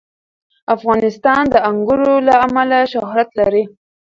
افغانستان د انګور له امله شهرت لري.